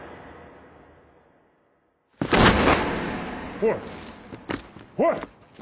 おいおい！